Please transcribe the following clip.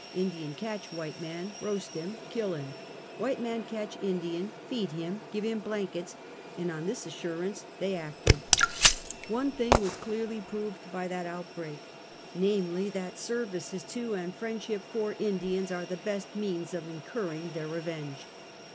Indian catch white man, roast him, kill him! White man catch Indian, feed him, give him blankets," and on this assurance they acted, t One thing was clearly proven by that outbreak, viz. : that services to, and friendship for, Indians, are the best means of incurring their revenge.